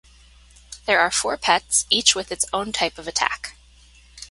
There are four pets, each with its own type of attack.